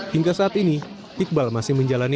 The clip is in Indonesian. hingga saat ini iqbal masih menjalani